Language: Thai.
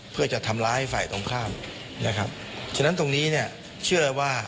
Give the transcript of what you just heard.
เพื่อจะทำร้ายฝ่ายตรงข้ามนะครับฉะนั้นตรงนี้เนี่ยเชื่อว่า